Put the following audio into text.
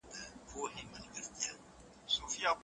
د هري لیکني لپاره دلیل پکار دی.